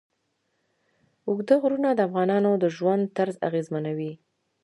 اوږده غرونه د افغانانو د ژوند طرز اغېزمنوي.